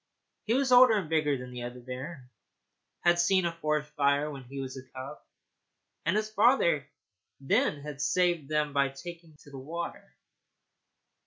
He was older and bigger than the other bear, and had seen a forest fire when he was a cub, and his father then had saved them by taking to the water.